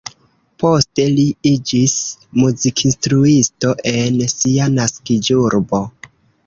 Poste li iĝis muzikinstruisto en sia naskiĝurbo.